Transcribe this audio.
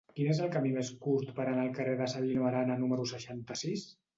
Quin és el camí més curt per anar al carrer de Sabino Arana número seixanta-sis?